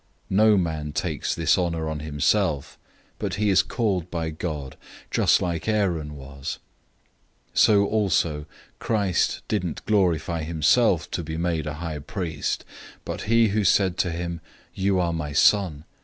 005:004 Nobody takes this honor on himself, but he is called by God, just like Aaron was. 005:005 So also Christ didn't glorify himself to be made a high priest, but it was he who said to him, "You are my Son.